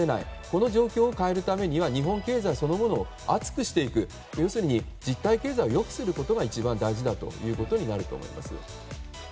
この状況を変えるためには日本経済そのものを熱くしていく、要するに実体経済を良くすることが一番大事となると思います。